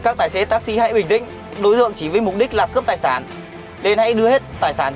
các tài xế taxi hãy bình tĩnh đối tượng chỉ với mục đích là cướp tài sản nên hãy đưa hết tài sản